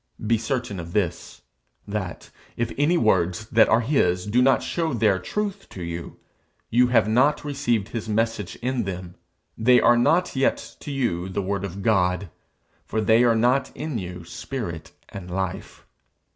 Be certain of this, that, if any words that are his do not show their truth to you, you have not received his message in them; they are not yet to you the word of God, for they are not in you spirit and life.